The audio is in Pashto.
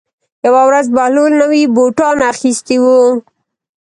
یوه ورځ بهلول نوي بوټان اخیستي وو.